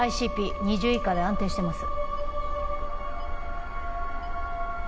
ＩＣＰ２０以下で安定してます。